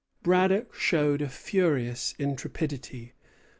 Braddock showed a furious intrepidity.